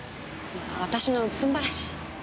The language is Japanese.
まあ私のうっぷん晴らし。